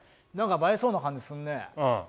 映えそうな感じするね。